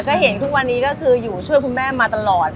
ก็เห็นทุกวันนี้ก็คืออยู่ช่วยคุณแม่มาตลอด